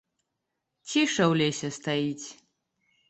Ціша ў лесе стаіць.